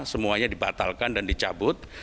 semuanya dibatalkan dan dicabut